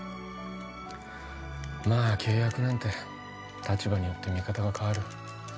まぁ、契約なんて立場によって見方が変わる。